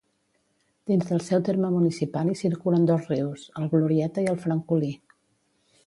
Dins del seu terme municipal hi circulen dos rius, el Glorieta i el Francolí.